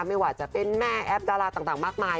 ไม่ว่าจะเป็นแม่แอปดาราต่างมากมาย